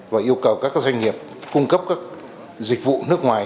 và yêu cầu các doanh nghiệp cung cấp các dịch vụ nước ngoài